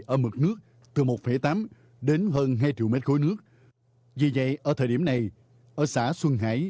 ở mực nước từ một tám đến hơn hai triệu mét khối nước vì vậy ở thời điểm này ở xã xuân hải